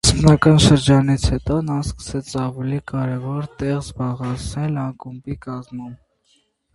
Սկզբնական շրջանից հետո, նա սկսեց ավելի կարևոր տեղ զբաղեցնել ակումբի կազմում։